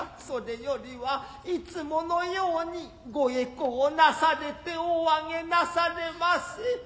それよりはいつものようにご回向なされてお上げなされませ。